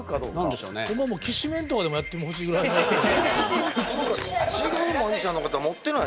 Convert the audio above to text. きしめんとかでもやってほしいくらい。